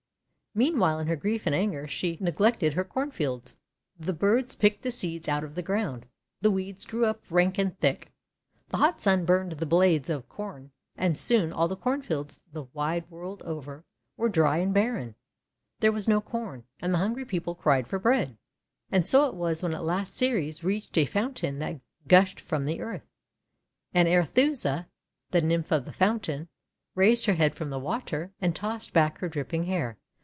Meanwhile, in her grief and anger, she neg 428 THE WONDER GARDEN lected her cornfields. The birds picked the seeds out of the ground. The weeds grew up rank and thick. The hot Sun burned the blades of Corn. And soon all the Cornfields, the wide world over, were dry and barren. There was no Corn, and the hungry people cried for bread. And so it was when at last Ceres reached a fountain that gushed from the earth. And Arethusa, the Nymph of the Fountain, raised her head from the water and tossed back her dripping hair.